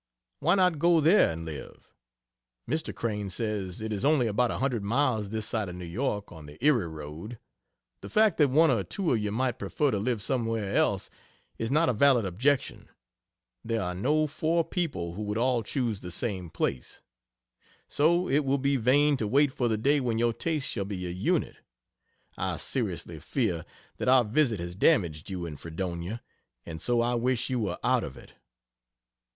Why not go there and live? Mr. Crane says it is only about a hundred miles this side of New York on the Erie road. The fact that one or two of you might prefer to live somewhere else is not a valid objection there are no 4 people who would all choose the same place so it will be vain to wait for the day when your tastes shall be a unit. I seriously fear that our visit has damaged you in Fredonia, and so I wish you were out of it.